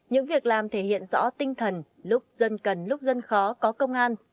những việc làm thể hiện rõ tinh thần lúc dân cần lúc dân khó có công an